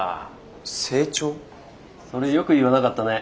それよく言わなかったね